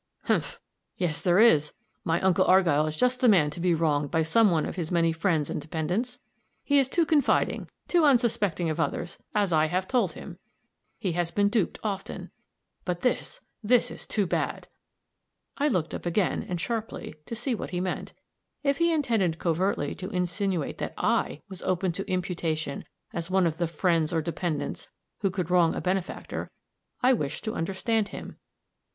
"Humph! yes, there is. My uncle Argyll is just the man to be wronged by some one of his many friends and dependents. He is too confiding, too unsuspecting of others as I have told him. He has been duped often but this this is too bad!" I looked up again, and sharply, to see what he meant. If he intended covertly to insinuate that I was open to imputation as one of the "friends or dependents" who could wrong a benefactor, I wished to understand him.